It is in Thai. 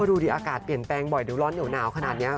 ดูดิอากาศเปลี่ยนแปลงบ่อยเดี๋ยวร้อนเหนียวหนาวขนาดนี้